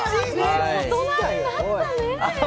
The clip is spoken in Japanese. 大人になったね。